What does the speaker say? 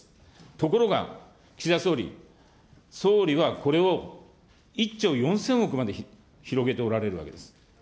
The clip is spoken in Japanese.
ところが、岸田総理、総理はこれを１兆４０００億まで広げておられるわけです。